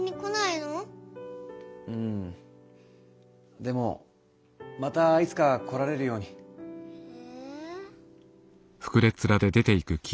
でもまたいつか来られるように。え。